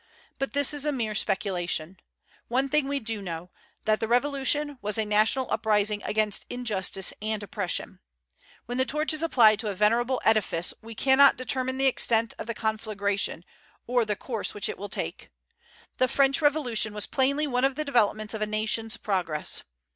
But this is a mere speculation. One thing we do know, that the Revolution was a national uprising against injustice and oppression. When the torch is applied to a venerable edifice, we cannot determine the extent of the conflagration, or the course which it will take. The French Revolution was plainly one of the developments of a nation's progress.